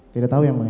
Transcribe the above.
tidak tahu yang mulia